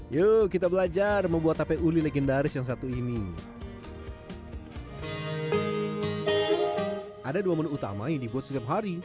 yuk kita belajar membuat tape uli legendaris yang satu ini ada dua menu utama yang dibuat setiap hari